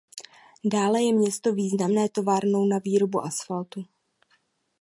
Dále je město významné továrnou na výrobu asfaltu.